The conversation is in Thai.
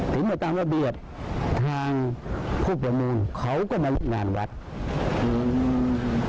ถึงตามอเบียบทางผู้ประมูลเขาก็มาริยางงานุวัตต์